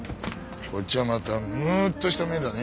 こっちはまたムッとした目だね。